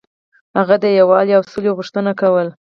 هغه د یووالي او سولې غوښتنه کوله.